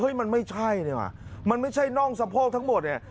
มันไม่ใช่เนี่ยว่ะมันไม่ใช่น่องสะโพกทั้งหมดเนี่ย